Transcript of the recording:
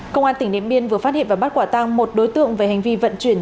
công an tỉnh điện biên vừa phát hiện và bắt quả tăng một đối tượng về hành vi vận chuyển